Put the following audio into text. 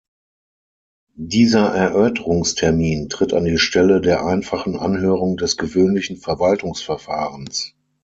Dieser Erörterungstermin tritt an die Stelle der einfachen Anhörung des gewöhnlichen Verwaltungsverfahrens.